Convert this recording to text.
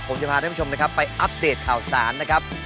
ผมจะพาท่านผู้ชมนะครับไปอัปเดตข่าวสารนะครับ